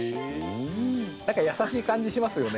何か優しい感じしますよね。